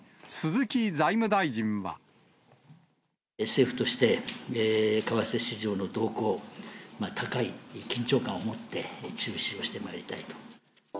政府として、為替市場の動向、高い緊張感を持って、注視をしてまいりたいと。